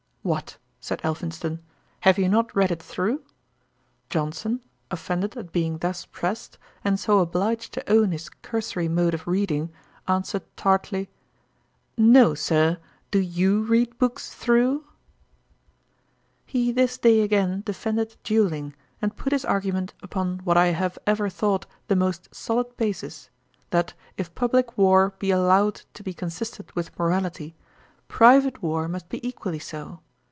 'What (said Elphinston,) have you not read it through?' Johnson, offended at being thus pressed, and so obliged to own his cursory mode of reading, answered tartly, 'No, Sir, do you read books through?' He this day again defended duelling, and put his argument upon what I have ever thought the most solid basis; that if publick war be allowed to be consistent with morality, private war must be equally so.